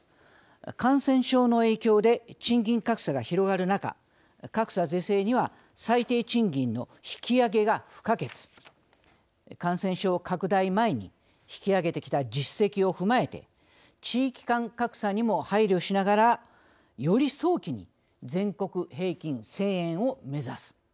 感染症の影響で賃金格差が広がる中格差是正には最低賃金の引き上げが不可欠感染症拡大前に引き上げてきた実績を踏まえて地域間格差にも配慮しながらより早期に全国平均１，０００円を目指す。